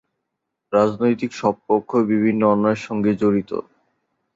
রাজনৈতিক সব পক্ষই বিভিন্ন অন্যায়ের সঙ্গে জড়িত।